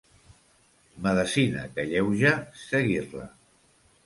Medecina que alleuja, seguir-la.